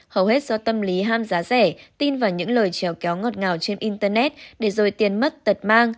hầu hết do tâm lý ham giá rẻ tin vào những lời trèo kéo ngọt ngào trên internet để rồi tiền mất tật mang